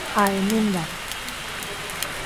A emenda.